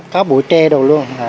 có bụi tre đồ luôn